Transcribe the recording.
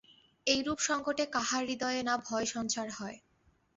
এইরূপ সঙ্কটে কাহার হৃদয়ে না ভয়সঞ্চার হয়।